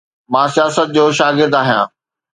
مان سياست جو شاگرد آهيان.